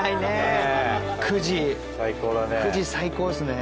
９時９時最高ですね。